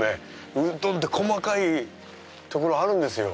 うどんって細かいところあるんですよ。